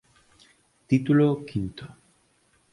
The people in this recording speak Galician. Título quinto